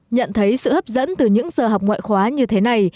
nhận thấy sự hấp dẫn từ những giờ học ngoại khóa như thế này